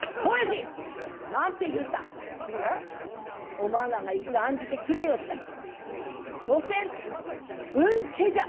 おまんらがいくら案じてくれよったち所詮分家じゃ！